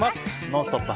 「ノンストップ！」